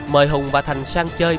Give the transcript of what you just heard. mời hùng và thành sang chơi